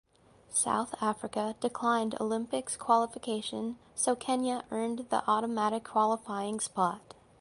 South Africa declined Olympics qualification so Kenya earned the automatic qualifying spot.